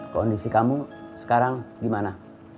kondisi kamu sekarang gimana